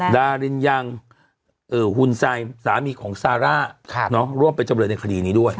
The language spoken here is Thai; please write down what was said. ดารินยังหุ่นไซสามีของซาร่าร่วมเป็นจำเลยในคดีนี้ด้วย